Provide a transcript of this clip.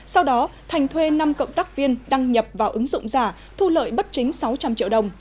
sau đó thành thuê năm cộng tác viên đăng nhập vào ứng dụng giả thu lợi bất chính sáu trăm linh triệu đồng